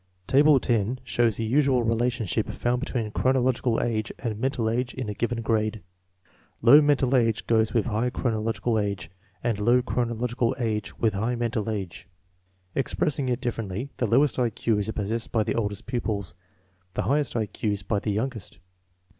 Table 10 shows the usual relationship found between chronological age and mental age in a given grade. Low mental age goes with high chronological age, and low chronological age with high mental age. Express ing it differently, the lowest I Q's are possessed by the oldest pupils, the highest I Q's by the youngest.